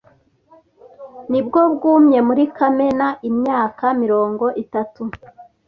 Nibwo bwumye muri Kamena imyaka mirongo itatu.